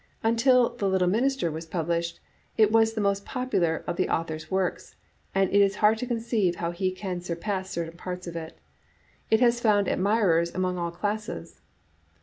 Until The Little Minis ter" was published, it was the most popular of the au thor's works, and it is hard to conceive how he can sur pass certain parts of it. It has found admirers among all classes.